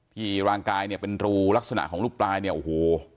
ร่างกายเนี่ยเป็นรูลักษณะของรูปปลายเนี่ยโอ้โห